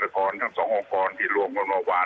ครับ